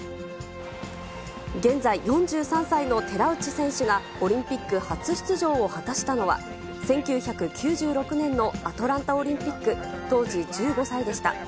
現在４３歳の寺内選手が、オリンピック初出場を果たしたのは、１９９６年のアトランタオリンピック、当時１５歳でした。